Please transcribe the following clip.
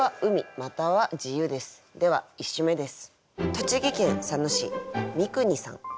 では１首目です。